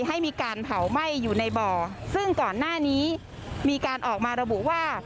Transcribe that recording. ให้มีการเผาไหม้อยู่ในบ่อซึ่งก่อนหน้านี้มีการออกมาระบุว่า